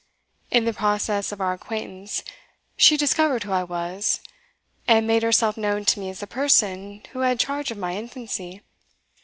In the process of our acquaintance, she discovered who I was, and made herself known to me as the person who had charge of my infancy.